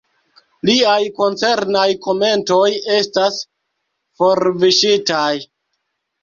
Liaj koncernaj komentoj estas forviŝitaj.